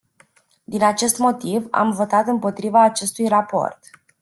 Din acest motiv, am votat împotriva acestui raport.